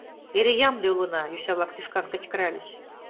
— Эре ямде улына! — йоча-влак тӱшкан кычкыральыч.